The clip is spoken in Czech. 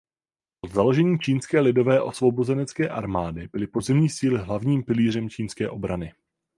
Od založení Čínské lidové osvobozenecké armády byly pozemní síly hlavním pilířem čínské obrany.